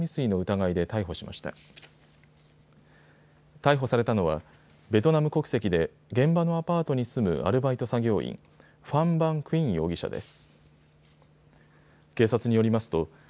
逮捕されたのはベトナム国籍で現場のアパートに住むアルバイト作業員、ファン・ヴァン・クィン容疑者です。